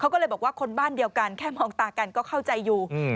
ก็เลยบอกว่าคนบ้านเดียวกันแค่มองตากันก็เข้าใจอยู่